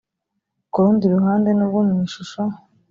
ku rundi ruhande nubwo mu ishusho